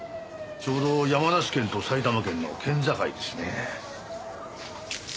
ちょうど山梨県と埼玉県の県境ですね。